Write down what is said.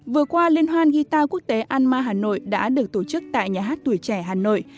vừa qua liên hoan ghuitar quốc tế alma hà nội đã được tổ chức tại nhà hát tuổi trẻ hà nội